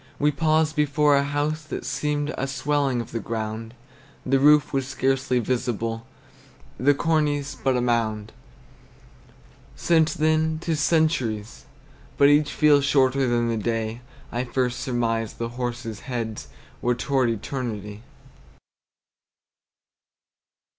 We paused before a house that seemed A swelling of the ground; The roof was scarcely visible, The cornice but a mound. Since then 't is centuries; but each Feels shorter than the day I first surmised the horses' heads Were toward eternity.